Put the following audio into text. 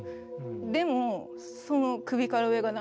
でもその首から上がない男性